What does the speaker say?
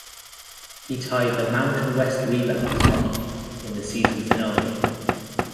He tied the Mountain West rebounds mark in the season finale.